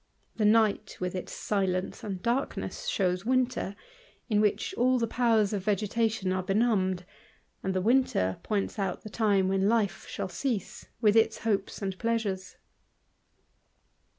The Qight with its silence and darkness shows the winter, in >^liich all the powers of vegetation are benumbed ; and the Winter points out the time when life shall cease, with its bopes and pleasures.